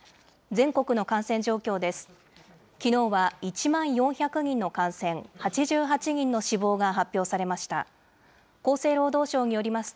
全国の感染状況です。